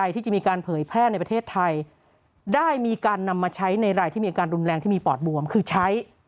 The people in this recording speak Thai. ที่มีอาการรุนแรงที่มีปอดบวมคือใช้